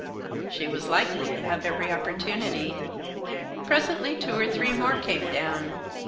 She was likely to have every opportunity. Presently two or three more came down.